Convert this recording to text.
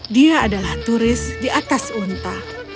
dia adalah turis di atas unta